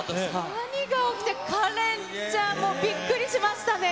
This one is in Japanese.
何が起きたのか、カレンちゃん、もうびっくりしましたね。